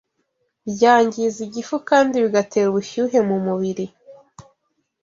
byangiza igifu kandi bigatera ubushyuhe mu mubiri